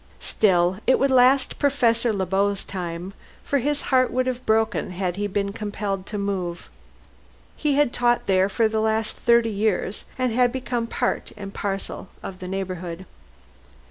Still it would last Professor Le Beau's time, for his heart would have broken had he been compelled to move. He had taught here for the last thirty years, and had become part and parcel of the neighborhood.